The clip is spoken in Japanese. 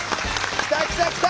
来た来た来た！